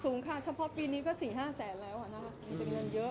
สูงค่ะเฉพาะปีนี้ก็สี่ห้าแสนแล้วนะครับมีเงินเยอะ